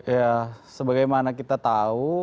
ya sebagaimana kita tahu